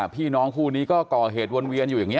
พี่น้องคู่นี้ก็ก่อเหตุวนเวียนอยู่อย่างนี้